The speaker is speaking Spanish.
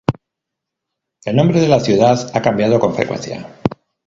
El nombre de la ciudad ha cambiado con frecuencia.